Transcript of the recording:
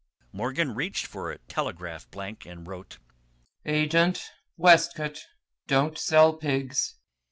Morgan reached for a telegraph blank and wrote: "Agent, Westcote. Don't sell pigs."